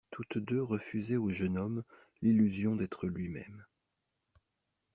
Toutes deux refusaient au jeune homme l'illusion d'être lui-même.